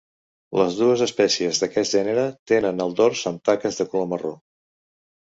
Les dues espècies d'aquest gènere tenen el dors amb taques de color marró.